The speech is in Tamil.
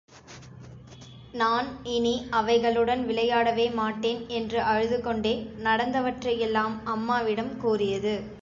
நான் இனி அவைகளுடன் விளையாடவே மாட்டேன். என்று அழுதுகொண்டே, நடந்தவற்றையெல்லாம் அம்மாவிடம் கூறியது.